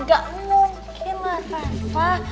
gak mungkin lah rafa